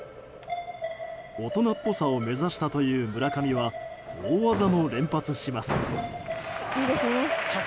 大人っぽさを目指したという村上は大技を連発します。